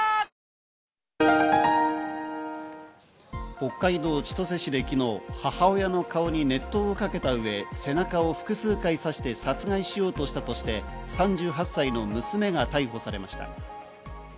北海道千歳市で昨日、母親の顔に熱湯をかけた上、背中を複数回刺して殺害しようとしたとして、３８歳の娘が逮捕されました。